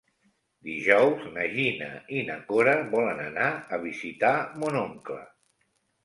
Dijous na Gina i na Cora volen anar a visitar mon oncle.